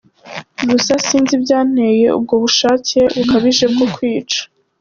Gusa sinzi ibyanteye ubwo bushake bukabije bwo kwica.